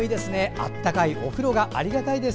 温かいお風呂がありがたいです。